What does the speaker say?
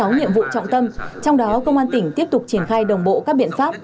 sáu nhiệm vụ trọng tâm trong đó công an tỉnh tiếp tục triển khai đồng bộ các biện pháp